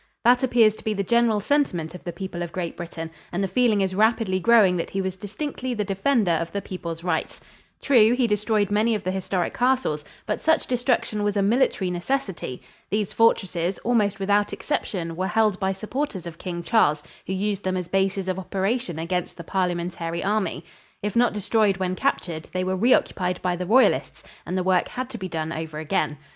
That appears to be the general sentiment of the people of Great Britain, and the feeling is rapidly growing that he was distinctly the defender of the people's rights. True, he destroyed many of the historic castles, but such destruction was a military necessity. These fortresses, almost without exception, were held by supporters of King Charles, who used them as bases of operation against the Parliamentary Army. If not destroyed when captured, they were re occupied by the Royalists and the work had to be done over again.